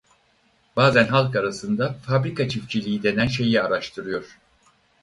Bazen halk arasında fabrika çiftçiliği denen şeyi araştırıyor.